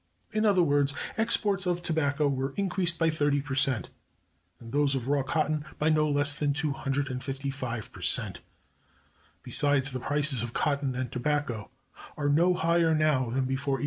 In other words, exports of tobacco were increased by 30 per cent, and those of raw cotton by no less than 255 per cent. Besides, the prices of cotton and tobacco are no higher now than before 1850.